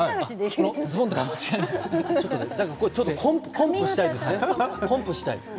コンプリートしたいですね。